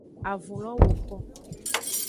Avulo woko.